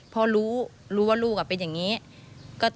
เพราะรู้ว่ารูอ่ะเป็นอย่างเงี้ย